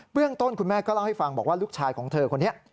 เรื่องต้นคุณแม่ก็เล่าให้ฟังบอกว่าลูกชายของเธอคนนี้